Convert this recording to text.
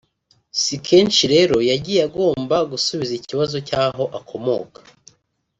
si kenshi rero yagiye agomba gusubiza ikibazo cy’aho akomoka